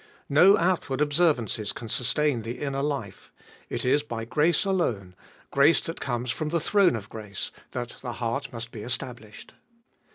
No outward observances can sustain the inner life : it is by grace alone, grace that comes from the throne of grace, that the heart must be established.